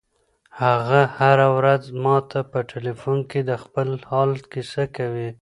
هغه هره ورځ ماته په ټیلیفون کې د خپل حال کیسه کوي.